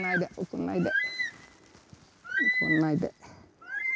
怒んないで。